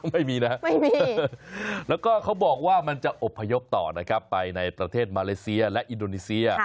ไม่มีนะไม่มีแล้วก็เขาบอกว่ามันจะอบพยพต่อนะครับไปในประเทศมาเลเซียและอินโดนีเซีย